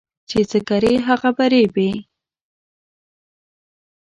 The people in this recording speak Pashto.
چي څه کرې ، هغه به رېبې.